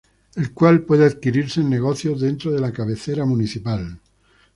El cual puede adquirirse en negocios dentro de la cabecera municipal.